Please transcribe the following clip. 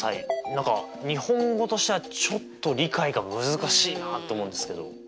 何か日本語としてはちょっと理解が難しいなと思うんですけど。